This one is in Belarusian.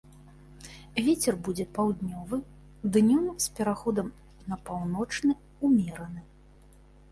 Вецер будзе паўднёвы, днём з пераходам на паўночны ўмераны.